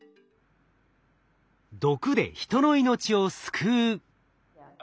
毒で人の命を救う。